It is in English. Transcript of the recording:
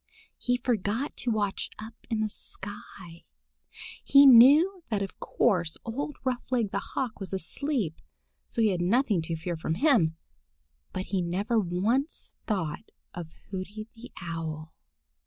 He forgot to watch up in the sky. He knew that of course old Roughleg the Hawk was asleep, so he had nothing to fear from him. But he never once thought of Hooty the Owl.